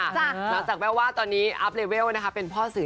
หลังจากแววว่าตอนนี้อัพเลเวลเป็นพ่อสื่อ